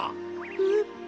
えっ？